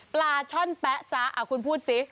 ปลาช่อนแป๊ะซะคุณพูดสิ